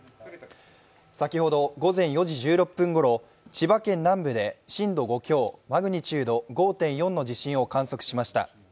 先ほど午前４時１６分ごろ千葉県南部で震度５強、マグニチュード５．４の地震を観測しました。